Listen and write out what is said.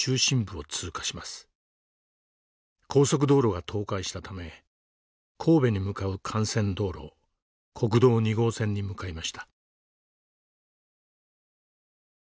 高速道路が倒壊したため神戸に向かう幹線道路国道２号線に向かいました。